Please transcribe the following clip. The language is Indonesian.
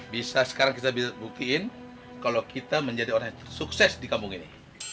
bisa sekarang kita bisa buktiin kalau kita menjadi orang yang sukses di kampung ini